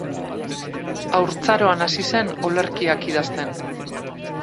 Haurtzaroan hasi zen olerkiak idazten.